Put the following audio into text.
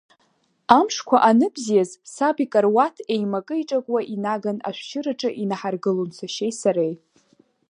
Амшқәа аныбзиаз, саб икаруаҭ еимакы-еиҿакуа инаган ашәшьыраҿы инаҳаргылон сашьеи сареи.